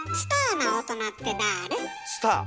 スター？